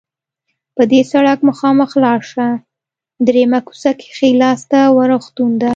په دې سړک مخامخ لاړ شه، دریمه کوڅه کې ښي لاس ته روغتون ده.